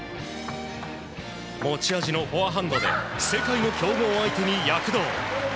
持ち味のフォアハンドで世界の強豪相手に躍動。